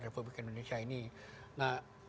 republik indonesia ini nah